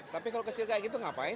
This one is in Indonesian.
tapi kalau kecil kayak gitu ngapain